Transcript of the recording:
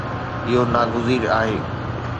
اهو ناگزير آهي